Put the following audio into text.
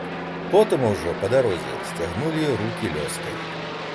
Потым ужо, па дарозе, сцягнулі рукі лёскай.